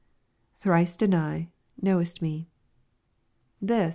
[Thrice deny.^.knowest me.